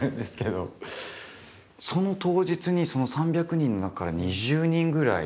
その当日に３００人の中から２０人ぐらい。